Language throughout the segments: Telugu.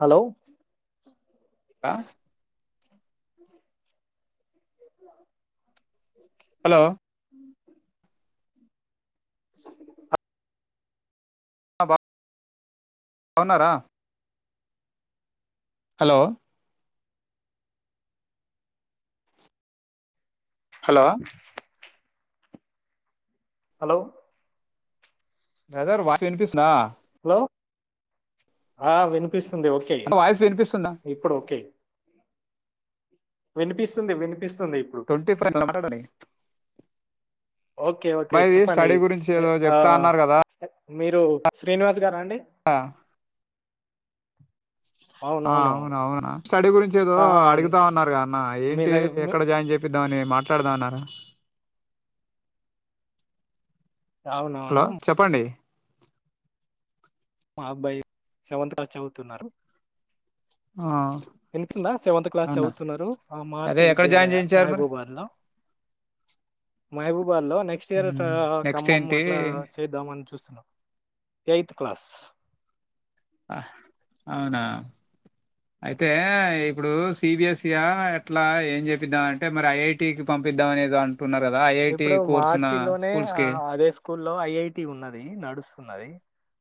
హలో క హలో బా బాగున్నారా hello hello hello brother voice వినిపిస్తుందా హలో ఆ విని పిస్తుంది ఓకే అంటే వాయిస్ వినిపిస్తుందా ఇప్పుడు ఓకే వినిపిస్తుంది వినిపిస్తు ట్వంటీ [inaudible] ఓకే ఓకే అబ్బాయిది చెప్పండి స్టడీ గురించి ఎ ఏదో ఆ చెప్తా అన్నారు కదా మీరు శ్రీనివాస్ గారా అండి ఆ ఆ అవునవును అవునా అవునా స్టడీ గురించి ఏదో ఆ, అడుగుతా అన్నారు కద అన్న మీ ఏంటి దగ్గర ఎక్కడ మీ- జాయిన్ చెపి ద్దామని మాట్లాడదాం అన్నారు హలో అవునవును చెప్పండి మా అబ్బాయి సెవెంత్ క్లాస్ చదువుతున్నారు ఆ వినిపిస్తుందా సెవెంత్ క్లాస్ అవునా చదువుతున్నారు ఆ అదే మహర్షి ఎక్కడ జాయిన్ విద్యాలయ చేయించారు మరి మహబూబాద్ లో మహబూబాద్ లో నెక్స్ట్ ఇయర్ అట్లా నెక్స్ట్ ఖమ్మం ఏంటి అట్లా చేద్దాం అని చూస్తున్నాం [unintelligible] క్లాస్ అవునా అయితే ఇప్పుడు సి బి స్ యా ఎట్లా ఏం చెపిద్దాం అంటే మరి ఐటీకి పంపిద్దాం అనే ఇప్పుడు మహర్షి లోనే స్కూల్స్కి అదే స్కూల్లో ఐఐటి ఉన్నది నడుస్తున్నది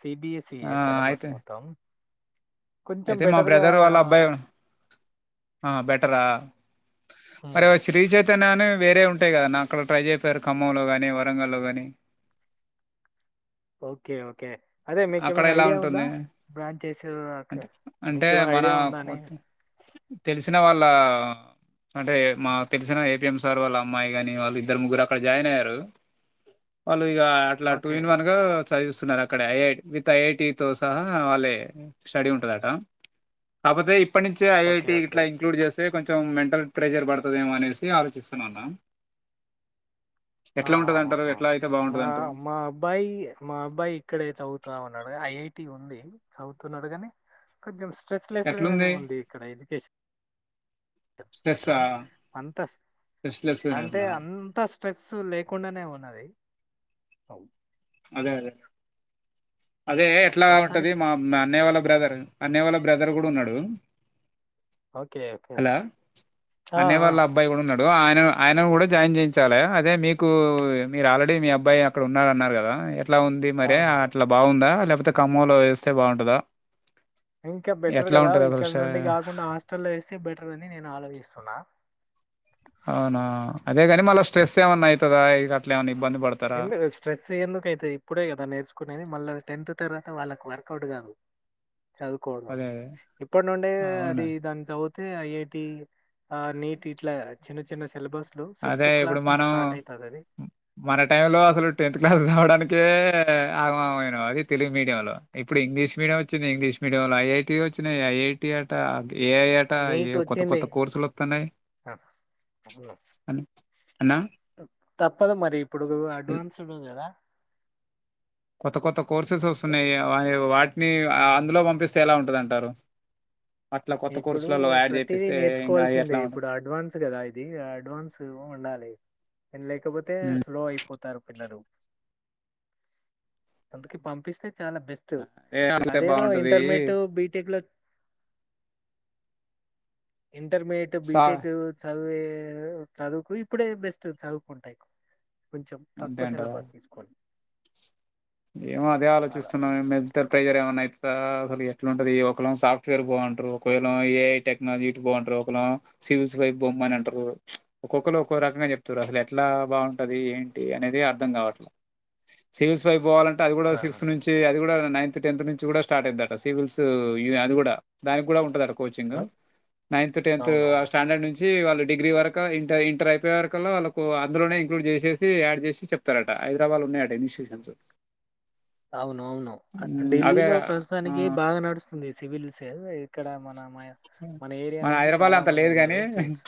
సిబిఎస్ఈఏ ఆ సలబస్ అయితే మొత్తం కొంచెం అయితే మా బెటర్గా బ్రదర్ వాళ్ళ అబ్బాయి ఆ బెటరా అరే ఉమ్, [unintelligible] శ్రీచైతన్య వేరే ఉంటాయి కదా నా అక్కడ ట్రై చేప్పారు ఖమ్మంలో గాని వరంగల్లో గాని అదే మీక అక్కడ ఏమైనా ఎలా ఐడియా ఉందా ఉంటుంది అంటే మీకేమైనా మన ఐడియా ఉందా అని తెలుసు వాళ్ళ అంటే మా తెలిసిన ఏపీఎం సార్ వాళ్ళ అమ్మాయి కానీ వాళ్ళు ఇద్దరు ముగ్గురు అక్కడ జాయిన్ అయ్యారు వాళ ఇగ అట్లా టూ ఓకే ఇన్ వన్ గా చదివిస్తున్నారు అక్కడ [unintelligible] విత్ ఐటి తో సహా వాళ్ళే స్టడీ ఉంటదట కాకపోతే ఇప్పటి నుంచే ఓకే ఐఐటీ ఓకే ఇట్ల ఇంక్లూడ్ చేస్తారు అదే కొంచెం మెంటల్ ప్రెషర్ పడుతదేమో అనేసి ఆలోచిస్తున్నా అన్నా ఆహాహాహా మా మా అబ్బాయి మా అబ్బాయి ఇక్కడే చదువుతామన్నాడు ఐఐ టి ఉంది చదువుతున్నాడుగాని కొంచెం స్ట్రెస్ లెస్ ర గానే ఎట్లుంది? ఉంది ఇక్కడ ఎడ్యుకేషన్ స్ట్రెస్సా? [inaudible] అంత స్ట్రెస్ అంటే లెస్‌గున్నా అంత ఫెస్ లేకుండానే ఉన్నది అదే అదే అదే ఎట్లా ఉంటది ప్రస్తుతానికి మ మా అన్నయ వాళ్ళ బ్రదర్ అన్నయ్య వాళ్ళ బ్రదర్ గుడా ఉన్నాడు ఓకే ఓకే. హలో ఆ! అన్నయ్య ఆ! వాళ్ళ అబ్బాయి కూడా ఉన్నడు ఇప్పుడు ఆయన ఆయనను కూడా జాయిన్ చేయించాలి అదే మీకు మీరు ఆల్రెడీ మీ అబ్బాయి అక్కడ ఉన్నారన్నారు కదా గా ఇగ ట్లా ఉంది మరే అవునవును. అట్లా బాగుందా లే లేతే ఖమ్మంలో వేస్తే బాగుంటదా ఇంకా బెటర్ కదా ఇక్కడ నుండి కాకుండా హాస్టల్లో వేస్తే బెటర్ అని నేను ఆలోచిస్తున్నా అవునా అదేగాని మల్ల స్ట్రెస్ ఏమన్నా అయితదా ఇగ అట్లేమనీ ఎందు స్ట్రెస్ ఎందుకైతాయ్ ఇప్పుడే కదా నేర్చుకునేది మళ్ళ టెన్త్ తర్వాత వాళ్ళకి వర్కౌట్ కాదు చదువుకోవడం అదే అదే. ఇప్పటి నుండే అవునా! అది దాన్ని చదువు అతే ఐఐటి ఆ నీట్ ఇట్లా చిన్న చిన్న సిలబస్ అదే ఇప్పుడు మనం మన టైం లో అసలు టెన్త్ క్లాస్ చదవడానీకే ఆగమమైన అది తెలుగు మీడియ లో ఇప్పుడు ఇంగ్లీష్ మీడియం వచ్చింది ఇంగ్లీష్ మీడియంలో ఐఐటీ వచ్చినాయ్ ఐఐటి అట ఏ ఐ అట ఏ నీట్ కొత్త ఒచ్చింది. కొత్త కోర్సులు వతన్నాయ్ తప్పదు మరి ఇప్పుడు ఇల్ అడ్వాన్స్ ఉంటుంది గదా కొత్త కొత్త కోర్సెస్ వస్తున్నాయి ఇగ వా వా నీ అందులో పంపిస్తే ఎలా ఉంటది అంటారు ఇప్పుడు ప్రతిదీ ఇంకా నేర్చుకోవాల్సిందే ఎట్లా ఉంటది ఇప్పుడు అడ్వాన్స్ కదా ఇది అడ్వాన్స్ ఉండాలి లేకపోతే హ్మ్. స్లో అయిపోతారు పిల్లలు అందుకే పంపిస్తే చాలా బెస్ట్ ఏ అడిగితే అదేదో బాగుంటది ఇంటర్మీడియట్ బీటెక్ లో ఇంటర్మీడియేట్ సా బిటెక్కూ చదివి చదువుకు ఇప్పుడే బెస్ట్ చదువుకుంటాయ్ కొంచెం అంతే తక్కువ అంటారా సిలబస్ తీసుకొని ఏమో అదే అలా. ఆలోచిస్తున్నాం ఎంత ప్రైజర్ ఏమన్న అయితు అసలు ఎట్లుంటది ఒకళ్ళేమో సాఫ్ట్వేర్ పో అంటారు ఒకవేళ ఏఐ టెక్నాలజీ ఇటు పో అంటారు ఒకళం సివిల్స్ వై బొమ్మని అంటారు ఒక్కొక్కరు ఒక్కో రకంగా చెప్తారు అసలు ఎట్లా బాగుంటది ఏంటి అనేది అర్థం కావట్ల సివిల్స్ తయి బోవాలన్ అది కూడా ఆ! సిక్స్త్ నుంచి అది కూడా నైన్త్ టెన్త్ నుంచి కూడా స్టార్ట్ అయిందట సివిల్స్ అది కూడా దానికి కూడా ఉంటద కో కోచింగు ఆ! నైన్త్ టెన్త్ ఆ అవునవును. స్టాండర్డ్ నుంచి వాళ్ళు డిగ్రీ వరక ఇంట ఇంటరయ్ పోయే వరకల్లా వాళ్ళకు అందులోనే ఇంక్లూడ్ చేసేసి యాడ్ చేసి చెప్తారట హైదరాబాద్ లో ఉన్నాయట ఇన్స్టిట్యూషన్స్ అవునవును హ్మ్. అవే ఢిల్లీలో ఆ! ప్రస్తుతానికి బాగా నడుస్తు ఉంది సివిల్స్ ఇక్కడ మన మ మన ఏరియా నుంచి చాలా మంది ఉన్నారు సివిల్స్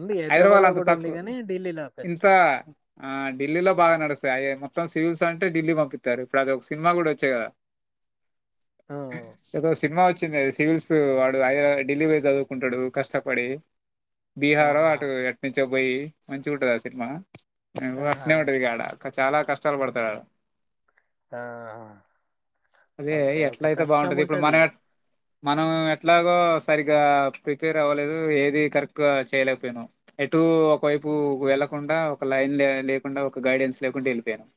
ఉంది. హైదరాబాద్ల హైదరాబాద్‌లో అంత గూడా ఉంది తక్కువ గానీ, ఢిల్లీలో బెస్ట్. ఇంత ఆ ఢిల్లీలో బాగా నడుస్తా అయ మొత్త మొత్తం సివిల్స్ అంటే ఢిల్లీ పంపిత్తారు ఇప్పుడు అదొక సినిమా కూడా వచ్చ కదా ఆ! ఏదో సినిమా వచ్చిందది సివిల్స్ వాడు అ ఢిల్లీ పోయి చదువుకుంటాడు కష్టపడి బీహారో ఆహా! అటు ఎట్ నుంచి పోయి మంచిగు దా సినిమా ఆహా! అట్నే ఉంటది ఇకాడ చాలా కష్టాలు పడతాడాడ ఆ! అదే ఓకే. ఎట్ల ఓకే. అయితే బాగుంటది ఇప్పుడు కష్టముంటది. మనం ఎ మనం ఎట్లాగో సరి ఇగ ప్రిపేర్ అవ్వలేదు ఏది కరెక్ట్ ఎక్కువ చేయలేకపోయానాం ఎటు ఒకవైపు వెళ్ళకుండా ఒక లైన్ లే లేకుండా ఒక గైడెన్స్ లేకుండా వెళ్ళిపోయానాం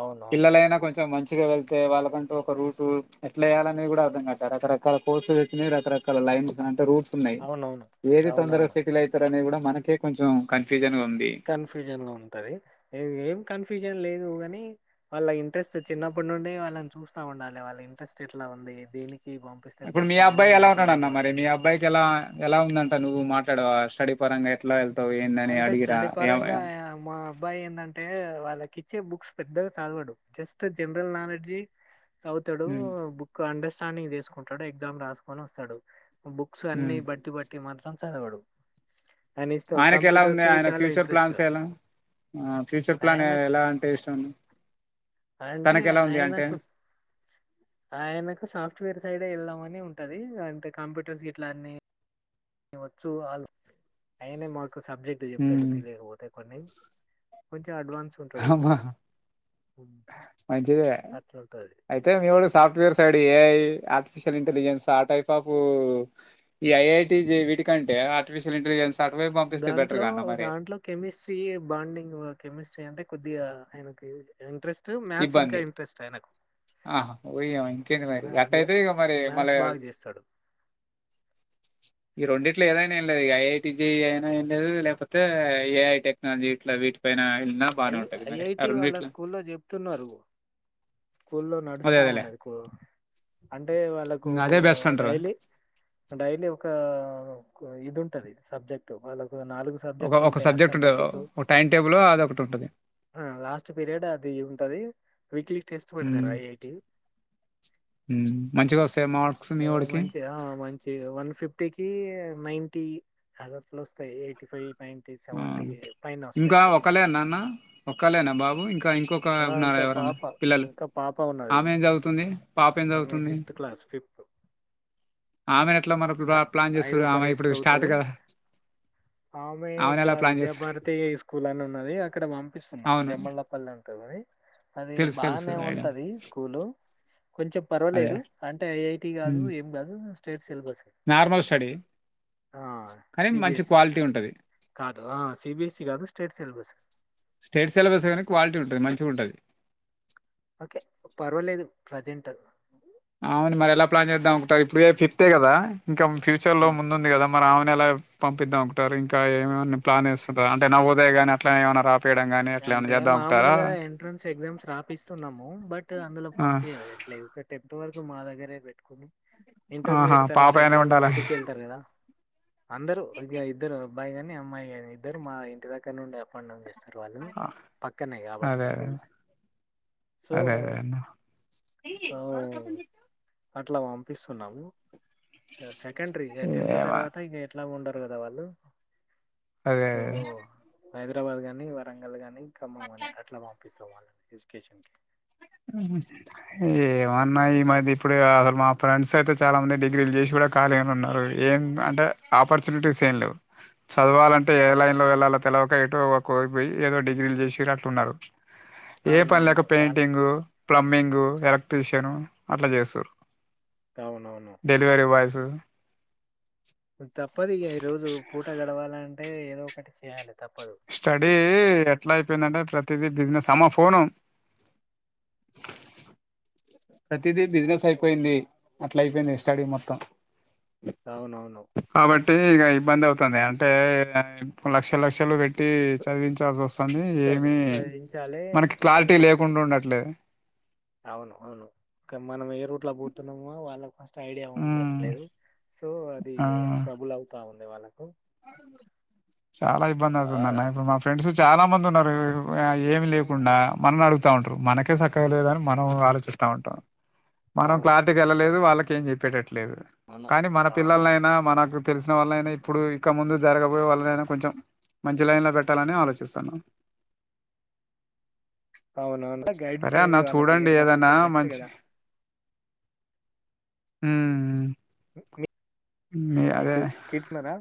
అవునవును. పిల్లలైనా కొంచెం మంచి మంచిగ వెళ్తే వాళ్ళకంటూ ఒక రూఫు ఎట్లెయ్యాల అనేది కూడా అర్థం కాక రకరకాల కోర్సులు వచ్చినాయ్ రకరకాల లైన్స్ అంటే రూఫు అవునవును ఏంది తొందర అవునవును. సెటిల్ అయితరు అనేది కూడా మనకే కొంచెం కన్ఫ్యూజన్గా కన్ఫ్యూజన్ లో ఉంటది ఏం కన్ఫ్యూజన్ లేదు గా కాని వాళ్ళ ఇంట్రెస్ట్ చిన్నప్పటి నుండి వాళ్ళని చూస్తా ఉండాలి వాళ్ళ ఇంట్రెస్ట్ ఎట్లా ఉంది దీనికి ఇప్పుడు మీ అబ్బాయి ఎలా ఉన్నాడన్న మరి ఉంటది. మీ అబ్బాయికి ఎలా ఎలా ఉందంట నువ్వు మాట్ స్టడి పరంగా ఎట్లా ఏ తావ్ ఏందీ అంటే అడిగిర్రా స్టడీ పరంగా మా అబ్బాయి ఏందంటే వాళ్ళకి ఇచ్చే బుక్స్ పెద్దగా చదవడు జస్ట్ జనరల్ నాలెడ్జి చదువుతాడు ఉమ్, బుక్ అండెస్ స్టాండింగ్ చేసుకుంటాడు ఎగ్జామ్ రాసుకొని వస్తాడు బుక్స్ అన్ని ఉమ్. బట్టి పట్టి మన సం సదవడు అనిష్టం ఆయనకి ఎలా ఉంది కంప్యూటర్స్ ఆయన చాలా ఫ్యూచర్ ఇంట్రెస్ట్ ప్లాన్స్ ఎలా ఫ్యూచర్ ప్లాన్ ఆయనకు ఎలా అంటే ఇష్టం అంటే తనకి ఎలా ఉంది అంటే ఆయనకు సాఫ్ట్వేర్ సైడే ఏ పని ఉంటది అంటే కంప్యూటర్స్ గిట్లా అన్ని వచ్చు ఆల్ అయనే మ కు సబ్జెక్ట్ చెప్తడు ఉమ్, తెలియకపోతే కొన్ని కొంచెం అడ్వాన్స్ ఉంటాడు అమా ఉమ్, మంచిదే అట్లుంటది అయితే మీవాడు software side A I artificial intelligence ఆ టైప్ ఆఫ్ ఈ ఐ ఐ టి వీటి కంటే ఆర్టిఫిషియల్ ఇంటెలిజెన్స్ అటువైపు పంపిస్తే బెటర్ దాంట్లో గా అన్న మరి దాంట్లో కెమిస్ట్రీ బాండింగ్ కెమిస్ట్రీ అంటే కొద్దిగా ఆయనకు ఇంట్రెస్ట్ మ్యాథ్స్ ఇబ్బంది ఇంకా ఇంట్రెస్ట్ ఆయనకు ఆహా పోయ ఇంకేంది మరి మ్యాథ్స్ అట్ట బే అయితే ఇక మరి మళ్ళ మ్యాథ్స్ బాగా చేస్తాడు ఈ రెండి ఇట్లో ఏదైనాలేదు ఐటి జి అయినాం లేదు లేకపోతే ఏఐ టెక్నాలజీ ఇట్ల వీటిపైన ఎళ్ళినా ఐ బానే ఉంటది మరి. ఆ ఐఐటి వాళ్ళ రెండిట్లో స్కూల్లో లో చెప్తున్నారు స్కూల్లో అదే నడుస్తా అదేలే. ఉన్నది కు అంటే వాళ్ళకు హ్మ్. అదే బెస్ట్ అంటారు. డైలీ డైలీ ఒక ఇది ఉంటది సబ్జెక్ట్ వాళ్ళకు నాలుగు ఒక సబ్జెక్ట్లు ఒక ఉంటాయ్ సబ్జెక్ట్ ఉంటది. అర్థమేటిక్ ఒక టైమ్ టేబులో అదొకటి ఉంటది. ఆ లాస్ట్ పీరియడ్ అది ఉంటది వీక్లీ టెస్ట్ హ్మ్ పెడతారు ఐఐటి హ్మ్ మంచిగా వస్తాయమో మంచిగా ఆ మంచి వన్ ఫిఫ్టీకి నైంటీఅదొట్ల వస్తాయి ఎయిటీ ఫైవ్ నైంటీ సెవెంటీ పైన వస్తాయి ఇంకా అట్లా ఒకలేనాన్న ఒకలేేనా బాబు ఇంకా ఇంకొక ఆ, ఇంకా ఉన్నారా ఎవరన్నా పాప పిల్లలు ఇంకా పాప ఉన్నది ఆమె ఏం చదువుతుంది పాప ఏం ఆమె చదువుతుంది ఫిఫ్త్ క్లాస్ ఫిఫ్త్ ఆమె ఎట్లా మన ప్లాన్ ఐదో చేస్తుర్రు అమా తరగతి ఇప్పుడు స్టార్ట్ చదువుతది కదా ఆమె ఇక్కడ ఆమెనెలా ప్లాన్ చేస్తుర్రు? విద్యాభారతి స్కూల్ అని ఉన్నది అక్కడ పంపిస్తున్నా అవును. జమ్మళ్లపల్లి ఉ తగుని అది తెలుసు. తెలుసు. బానే ఐడియా. ఉంటది స్కూలు కొంచెం అదే. పర్వాలేదు అంటే ఐఐటి కాదు హ్మ్. ఏం కాదు ట్రేడ్ సెల్ నార్మల్ స్టడీ. ఆ కానీ మంచి సిబిఎస్సి క్వాలిటీ ఉంటది. కాదు ఆ సిబిఎస్స కాదు స్టేట్ సిలబస్ స్ స్టేట్ సిలబస్ కానీ క్వాలిటీ ఉంటది మంచిగ ఉంటది ఓకే పర్వాలేదు ప్రజెంట్ అవును మరి ఏలా ప్లాన్ చేద్దాం ఇప్పుడు ఫిఫ్తే కదా ఇంకా ఫ్యూచర్ లో ముందుంది కదా మరి ఆమెన ఎలా పంపిద్దాం ఒకటారు ఇంకా ఏమైన్నా ప్లాన్ ఏస్తుంట్రా అంటే నావోదయ కానీ అట్లానే ఏమైనా అంటే మామూలుగా ఎంట్రన్స్ ఎగ్జామ్స్ రాపిస్తున్నాము బట్ అందులో ఆ! పంపియట్లేదు ఇంతవరకు మా దగ్గరే పెట్టుకుని ఆహా! ఇంటర్మీడియట్ తర్వాత పాప అయినా ఎట్లాగో ఉండాలా? బయటికి వెళ్తరు కదా అందరు ఇగ ఇద్దరు అబ్బయిగానీ అమాయిగానీ ఇద్దరు మా ఇంటి దగ్గర నుడి అపాండ్డౌన్ చేస్తరు వాళ్ళు పక్కనే కాబట్టి అదే. అదే. స్కూల్స్ సో అదే. అదే అన్న. ఆ అట్లా పంపిస్తున్నాము సెకండరీ టెన్త్ ఏమో తర్వాత ఇగ ఎట్ల ఉండరు కదా వాళ్ళు అదే సో అదే హైదరాబాద్ గాని ఒంగోలు గాని [inaudible] అట్ల పంపి వాళ్ళ ఎజుకేషన్కి ఏమో ఉన్నాయి మది ఇప్పుడే కాదమ్మా ఫ్రెండ్స్ అయితే చాలా మంది డిగ్రీలు చేసి కూడా ఖాళీగానే ఉన్నారు ఏం అంటే ఆపర్చునిటీస్ ఏం లేవు చదవాలంటే ఏ లైన్లో వెళ్ళాల తెలవక ఏటో ఒకవైపుపోయి ఏదో డిగ్రీలు చేసి అట్లున్నారు ఏ పనిలేక అవునవును చాలా పెయిటింగూ ప్లంబింగ్ ఎలక్ట్ర్రిషియన్ అట్ల చేస్తురు అవునవును ఆ తప్పదిగ ఈ రోజు పూట గడవాలంటే ఏ ఏదో ఒకటి చేయాలే స్టడీ ఎట్ల అయిపోయిందంటే ప్ర త్తదే బిజినెస్ అమ్మో ఫోను ప్రతిదీ బిజినెస్ అయిపోయింది. అట్లా అయిపోయింది. స్టడీ మొత్తం అవునవును ట్టీ ఇక ఇబ్బంది. అవుతుంద్యా అంటే ఇప్పుడు లక్షల్, లక్షలు పెట్టి టి చదివించాల్సి వస్తాంది. చది ఏమి చదివించాలి మనకి క్లారిటీ అదే లేకుండా ఉండట్లేదు. అవును అవును కాని మనమేయర్ ఓట్లక్ బోతున్నామో వాళ్ళకు ఫస్ ఐడియా ఉమ్ ఉండట్లేదు. స్ సో అది ఆ ట్రబుల్ అవుతా ఉం తే వాళ్లకు చాలా ఆ ఇబ్బంది. అవుతుందన్న ఆ, ఇప్పుడు మా ఫ్రెండ్స్ చాలా మంద్ మందిన్నారు. ఆ ఏమి లేకుండా మాన్నా అడుగుతా ఉంటారు. మనకే సక్కగా లేదని మనం ఆలోచిస్తా ఉంటా మనం అవును క్లారిటీకి వెళ్ళలేదు. వాళ్ వాళ్ళకేం చెప్పాడు. అట్ లేదులే అవును కానీ మన, అవునవును పిల్లర్లైనా మనకు తెలిసిన వాళ్లనైనా ఇప్పుడు ప్చ్ క్కముందు జరగబోయే వాళ్ళనైనా, కొంచెం మంచి లైన్ లో పెట్టాలని ఆలోచిసన్నా అవునవును [unintelligible] గైడ్ చేయండి. వాళ్ళకి [unintelligible] పోతే బెస్ట్ కదా. ఉమ్మ్మ్ మీ క్ మీకు కిడ్స్ ఉన్నరా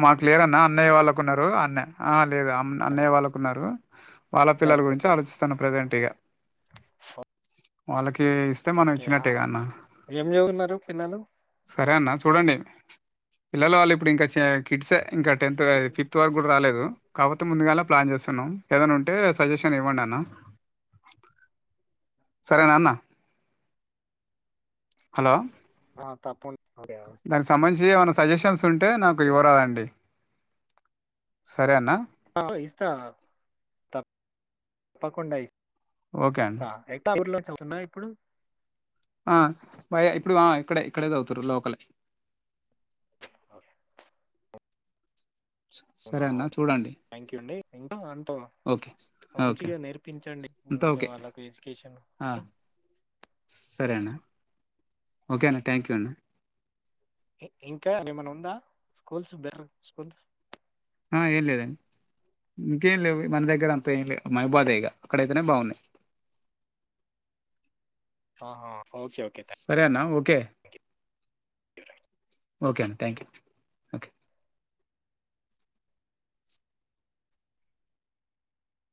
మాక్ లేరన్న అన్నయ్య వాళ్ళకున్నారు. అన్నె ఆ లేదు. అమ్ అన్నయ్య వాళ్ళకున్నారు. వాళ్ళ పిల్లల అచ్చ అచ్చ గురించి ఆలోచిస్తాన్న ప్రజెంటిగా వాళ్ళకి [unintelligible] ఇస్తే మనం ఓకే ఆ. ఇచ్చినట్టేగా అన్నా, ఏం చదువుతున్నారు పిల్లలు సరే అన్నా చూడండి. పిల్లలు వాళ్ళు ఇప్పుడు ఇంకా చేర్ కిడ్సే ఇంకా టెన్త్ దాది ఫిఫ్త్ వరకు కూడా రాలేదు. కావోతే ముందుగాలా ప్లాన్ చేస్తున్నాం ఏదైన్న ఉంటే సజెషన్ ఇవ్వండి. అన్న సరేనా అన్నా హలో ఆ తప్పున్ ఓకే ఒ జీ ఏవన్నా సజెషన్స్ స్తుంటే, నాకు ఇవ్వరాదండి. సరే అన్నా ఇస్తా తప్ తప్పకుండ ఇస్ ఓకే అన్న [inaudible] ఇప్పుడు ఆ భై ఇప్పుడు ఆ ఇక్కడే ఇక్కడేది తవ్వుతున్రు లోకలే అవునా సరే అన్న ఓకే చూడండి థ్యాంక్ యూ అండి ఇంకా అంత ఓకే ఓకే మంచిగా నేర్పించండి అంతా ఇంకా ఓకే వాళ్ళకి ఎడ్యుకేషన్ ఆ సరే అన్న ఓకే అన్న థ్యాంక్ యూ అన్న ఇంకా ఏమన్నా ఉందా స్కూల్స్ బెర్ స్కూల్ ఆ ఏం లేదండి ఇంకేం లేవు మన దగ్గర అంతా ఏం లే మహ్బాధే ఇగ అక్కడైతేనే బాగున్నాయి ఆహా ఓకే ఓకే సరే అన్న ఓకే థ్యాంక్యూ ఓకే అండి థ్యాంక్ యూ ఓకే